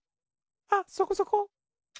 あっそこそこ。